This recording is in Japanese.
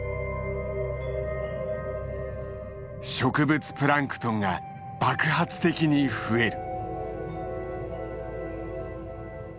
植物プランクトンが爆発的に増える。